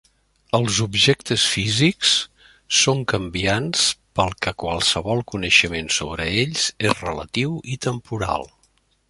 Els objectes físics són canviants pel que qualsevol coneixement sobre ells és relatiu i temporal.